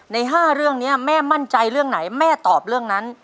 ใน๕เรื่องนี้แม่มั่นใจเรื่องไหนแม่ตอบเรื่องนั้น